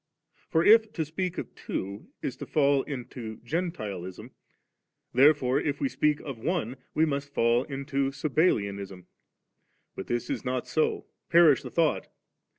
For if to speak of two is to fall into Gentilism, therefore if we speak of on^ we must M into Sabellianism. But this is not so; perish the thought!